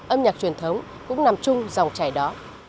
âm nhạc truyền thống cũng nằm chung dòng chảy đó